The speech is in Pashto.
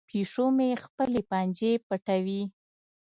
پیشو مې خپلې پنجې پټوي.